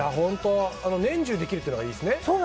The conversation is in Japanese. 年中できるのがいいですね。